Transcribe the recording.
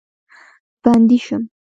بندي شم.